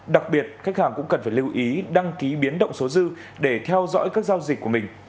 đặc biệt khách hàng cũng cần phải lưu ý đăng ký biến động số dư để theo dõi các giao dịch của mình